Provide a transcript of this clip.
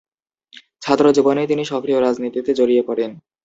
ছাত্র জীবনেই তিনি সক্রিয় রাজনীতিতে জড়িয়ে পড়েন।